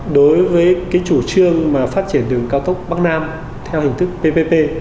đối với chủ trương mà phát triển đường cao tốc bắc nam theo hình thức ppp